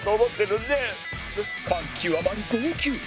感極まり号泣